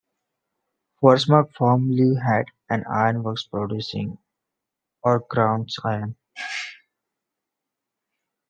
Forsmark formerly had an ironworks producing oregrounds iron.